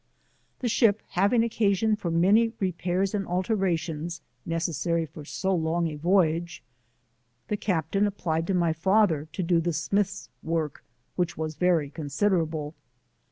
The ship, having occasion for many repairs and alterations, necessary for so long a voyage, the Captain applied to my father to 60 the smith's work, which was very considerable.